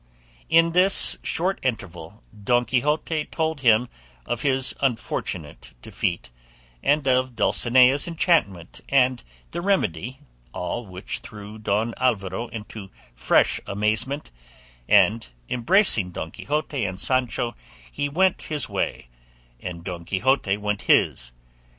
In this short interval Don Quixote told him of his unfortunate defeat, and of Dulcinea's enchantment and the remedy, all which threw Don Alvaro into fresh amazement, and embracing Don Quixote and Sancho he went his way, and Don Quixote went his.